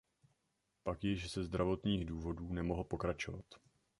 Pak již ze zdravotních důvodů nemohl pokračovat.